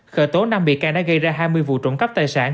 khởi tố năm bị can đã gây ra hai mươi vụ trộm cắp tài sản